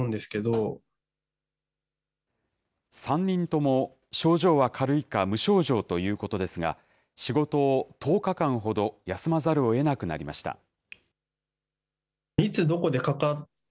３人とも症状は軽いか無症状ということですが、仕事を１０日間ほど休まざるをえなくなりました。